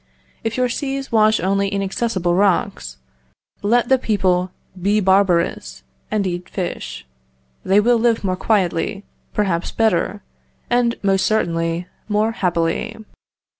If your seas wash only inaccessible rocks, let the people be barbarous, and eat fish; they will live more quietly, perhaps better, and, most certainly, more happily.